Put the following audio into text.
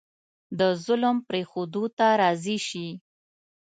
د ظلم پرېښودو ته راضي شي.